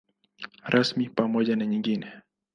Rasmi pamoja na nyingine.